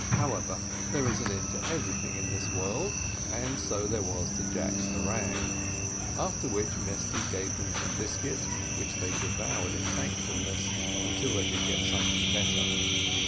However, there is an end to everything in this world, and so there was to Jack's harangue; after which Mesty gave them some biscuit, which they devoured in thankfulness, until they could get something better.